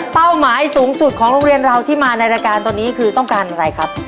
หมายสูงสุดของโรงเรียนเราที่มาในรายการตอนนี้คือต้องการอะไรครับ